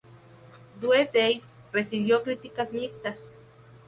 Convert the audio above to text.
Due Date recibió críticas mixtas.